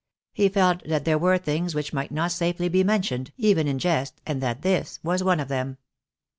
He felt that there were things which might not safely be mentioned, even in jest, and that this was one of them.